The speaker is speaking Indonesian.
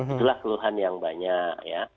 itulah keluhan yang banyak